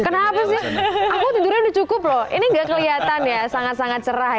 kenapa sih aku tidurnya udah cukup loh ini gak kelihatan ya sangat sangat cerah ya